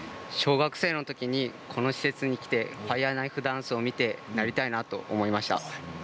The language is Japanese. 小学生のときにこの施設に来てファイヤーナイフダンスを見てなりたいなと思いました。